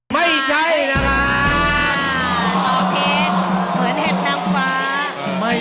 ไม่ใช่นะครับ